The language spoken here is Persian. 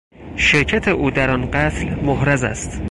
شرکت او در آن قتل محرز است.